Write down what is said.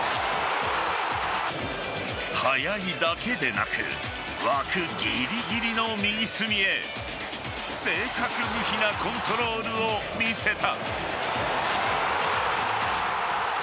速いだけでなく枠ぎりぎりの右隅へ正確無比なコントロールを見せた。